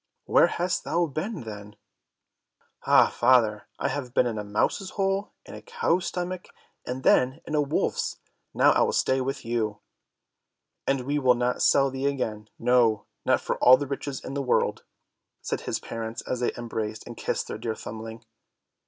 "Where hast thou been, then?" "Ah, father, I have been in a mouse's hole, in a cow's stomach, and then in a wolf's; now I will stay with you." "And we will not sell thee again, no, not for all the riches in the world," said his parents, and they embraced and kissed their dear Thumbling.